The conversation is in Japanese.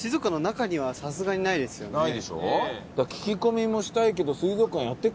ないでしょ？